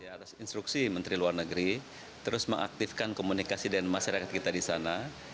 atas instruksi menteri luar negeri terus mengaktifkan komunikasi dengan masyarakat kita di sana